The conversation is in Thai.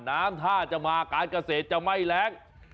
น้ำท่าจะมาการเกษตรจะไม่แรง